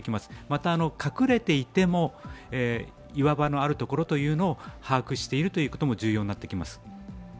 また隠れていても岩場のあるところというのを把握しているということも重要になってきます。